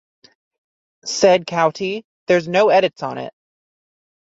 Said Cauty, There's no edits on it.